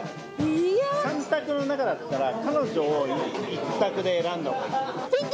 ３択の中だったら彼女一択で選んだ方がいい。